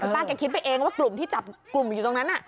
ป้าแกคิดไปเองว่ากลุ่มที่จับกลุ่มอยู่ตรงนั้น